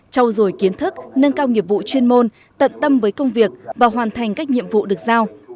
trao dồi kiến thức nâng cao nghiệp vụ chuyên môn tận tâm với công việc và hoàn thành các nhiệm vụ được giao